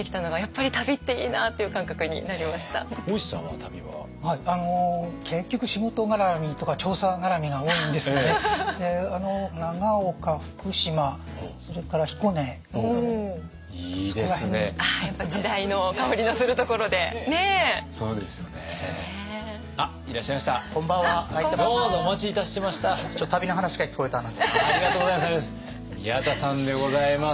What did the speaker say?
ありがとうございます。